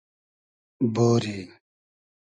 بۉری